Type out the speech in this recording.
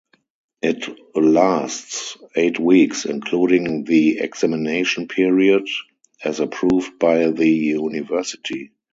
It lasts eight weeks including the examination period, as approved by the University.